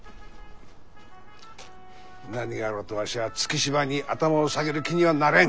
何があろうとわしは月柴に頭を下げる気にはなれん。